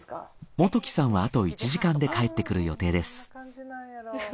元希さんはあと１時間で帰ってくる予定です。